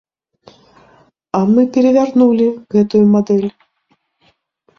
А мы перавярнулі гэтую мадэль.